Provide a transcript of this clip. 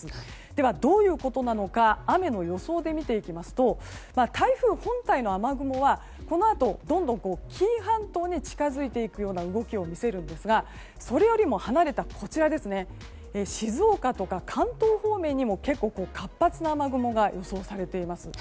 ではどういうことなのか雨の予想で見ていきますと台風本体の雨雲はこのあと、どんどん紀伊半島に近づいていくような動きを見せるんですがそれよりも離れた静岡とか関東方面にも結構、活発な雨雲が予想されています。